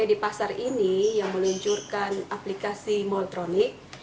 jadi pasar ini yang meluncurkan aplikasi moldtronic